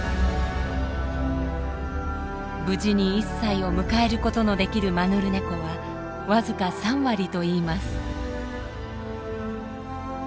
無事に１歳を迎えることのできるマヌルネコは僅か３割といいます。